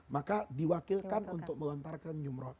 maka diwakilkan untuk melontarkan jumroh